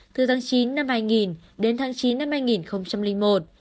từ tháng chín năm hai nghìn đến tháng chín năm hai nghìn một